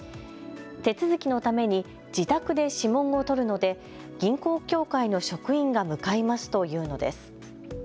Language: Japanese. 手続きのために自宅で指紋を採るので銀行協会の職員が向かいますと言うのです。